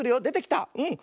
でてきた！